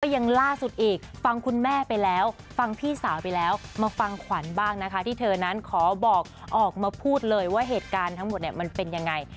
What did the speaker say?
ยังล่าสุดอีกฟังคุณแม่ไปแล้วฟังพี่สาวไปแล้วมาฟังขวัญบ้างนะคะที่เธอนั้นขอบอกออกมาพูดเลยว่าเหตุการณ์ทั้งหมดเนี่ยมันเป็นยังไง